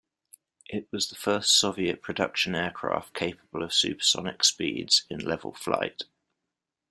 It was the first Soviet production aircraft capable of supersonic speeds in level flight.